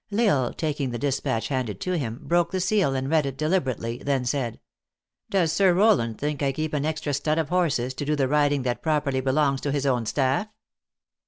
L Isle, taking the dispatch handed to him, broke the seal and read it deliberately, then said :" Does Sir Rowland think I keep an extra stud of horses, to do the riding that properly belongs to his own staff?"